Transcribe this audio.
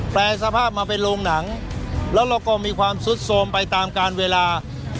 แปรสภาพมาเป็นโรงหนังแล้วเราก็มีความซุดโทรมไปตามการเวลา